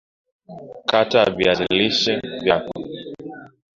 kata vipande viazi lishe vyako